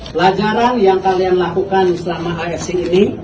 pelajaran yang kalian lakukan selama asing ini